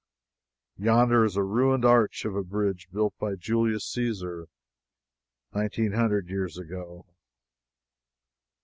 Yonder is a ruined arch of a bridge built by Julius Caesar nineteen hundred years ago.